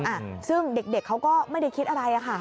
อ่ะซึ่งเด็กเด็กเขาก็ไม่ได้คิดอะไรอะค่ะ